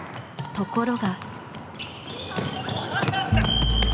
ところが。